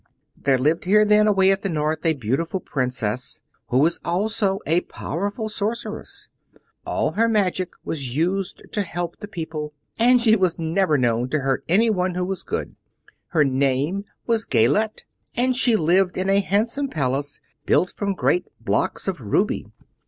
"There lived here then, away at the North, a beautiful princess, who was also a powerful sorceress. All her magic was used to help the people, and she was never known to hurt anyone who was good. Her name was Gayelette, and she lived in a handsome palace built from great blocks of ruby.